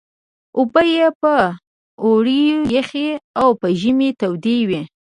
اوبه یې په اوړي یخې او په ژمي تودې وې.